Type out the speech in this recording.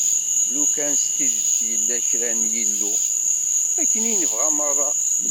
Lukan s tidet yella kra n yillu, akken i nebɣa merra.